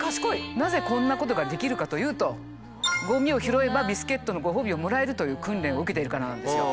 なぜこんなことができるかというとゴミを拾えばビスケットのご褒美をもらえるという訓練を受けているからなんですよ。